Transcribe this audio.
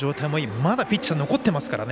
まだピッチャー残ってますからね。